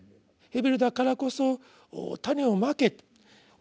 「ヘベル」だからこそ種を蒔けと。